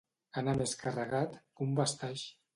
Anar més carregat que un bastaix.